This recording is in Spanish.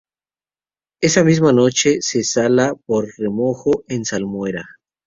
Esa misma noche, se sala por remojo en salmuera.